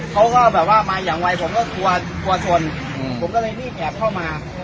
เขาก็แบบว่ามาอย่างไวผมก็กลัวกลัวชนผมก็เลยรีบแอบเข้ามา